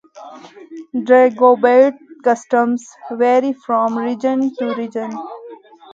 Dragobete customs vary from region to region.